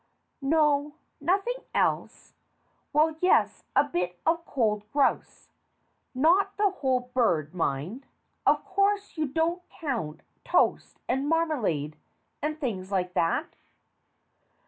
No, nothing else. Well, yes, a bit of cold grouse. Not the whole bird, mind. Of course, you don't count toast, and marmalade, and things like that?